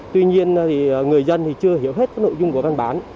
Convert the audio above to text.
tuy nhiên người dân thì chưa hiểu hết nội dung của văn bản